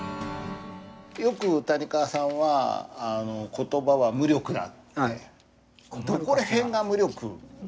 よく谷川さんは「言葉は無力だ」と。はい。どこら辺が無力であると。